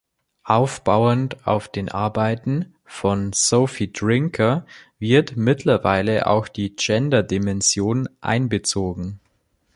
Aufbauend auf den Arbeiten von Sophie Drinker wird mittlerweile auch die Gender-Dimension einbezogen.